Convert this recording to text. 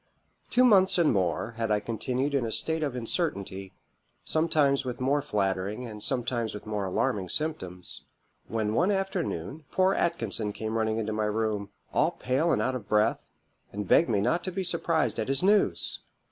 _ "Two months and more had I continued in a state of incertainty, sometimes with more flattering, and sometimes with more alarming symptoms; when one afternoon poor Atkinson came running into my room, all pale and out of breath, and begged me not to be surprized at his news.